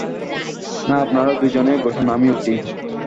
না, আপনারা দুজনেই বসুন– আমি উঠি।